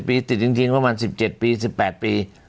ถ้าหาสิบปีติดจริงจริงประมาณสิบเจ็ดปีสิบแปดปี